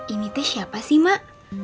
ini tuh siapa sih mak